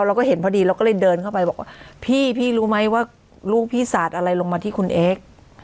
เราก็เห็นพอดีเราก็เลยเดินเข้าไปบอกว่าพี่พี่รู้ไหมว่าลูกพี่สาดอะไรลงมาที่คุณเอ็กซ์